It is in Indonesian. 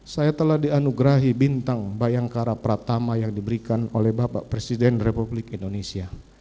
saya telah dianugerahi bintang bayangkara pratama yang diberikan oleh bapak presiden republik indonesia